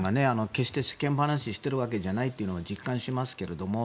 決して世間話しているわけじゃないことを実感しますけれども。